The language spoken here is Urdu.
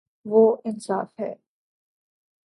وہ انصا ف ہے